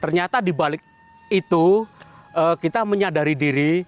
ternyata di balik itu kita menyadari diri